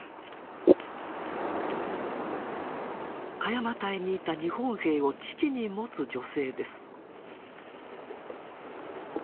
鹿山隊にいた日本兵を父に持つ女性です。